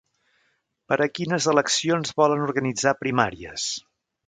Per a quines eleccions volen organitzar primàries?